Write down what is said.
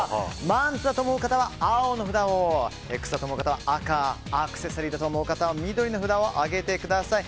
マントだと思う方は青の札を靴だと思う方は赤の札をアクセサリーだと思う方は緑の札を挙げてください。